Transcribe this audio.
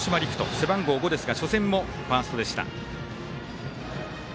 背番号５ですが初戦もファーストでした。